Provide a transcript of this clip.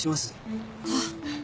あっ。